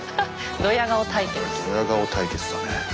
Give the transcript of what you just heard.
ドヤ顔対決だね。